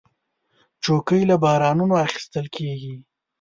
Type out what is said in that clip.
چوکۍ له بازارونو اخیستل کېږي.